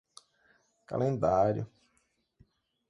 calendário